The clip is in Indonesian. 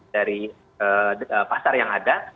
dari pasar yang ada